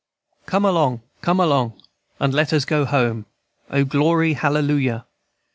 "Come along, come along, And let us go home, O, glory, hallelujah?